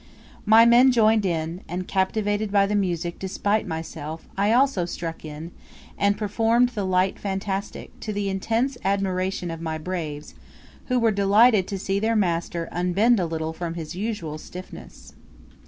My men joined in, and, captivated by the music despite myself, I also struck in, and performed the "light fantastic," to the intense admiration of my braves, who were delighted to see their master unbend a little from his usual stiffness.